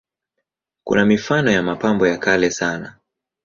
Kuna mifano ya mapambo ya kale sana.